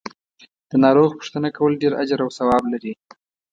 د ناروغ پو ښتنه کول ډیر اجر او ثواب لری .